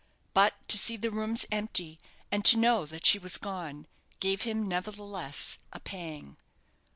But to see the rooms empty, and to know that she was gone, gave him nevertheless a pang.